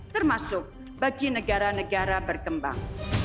termasuk bagi negara negara berkembang